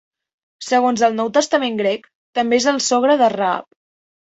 Segons el Nou Testament grec, també és el sogre de Raab.